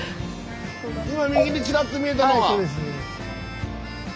今右にちらっと見えたのが。